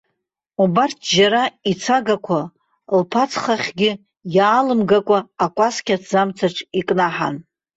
Убарҭ, џьара ицагақәа, лԥацхахьгьы иаалымгакәа, акәасқьа аҭӡамцаҿ икнаҳан.